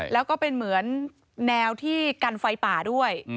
แล้วก็เป็นเหมือนแนวที่กันไฟป่าด้วย